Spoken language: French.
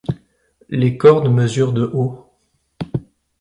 Les cornes mesurent de haut.